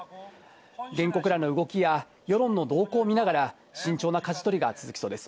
原告らの動きや世論の動向を見ながら、慎重なかじ取りが続きそうです。